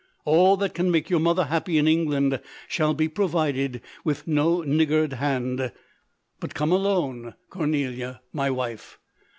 All that can make your mother happy in England, shall be pro vided with no niggard hand :— but come alone, LODORK. 183 Cornelia, my wife!